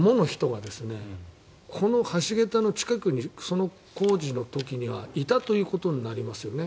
８名もの人がこの橋桁の近くにその工事の時にはいたということになりますよね。